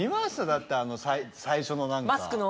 だって最初の何か。